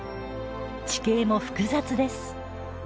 地形も複雑です。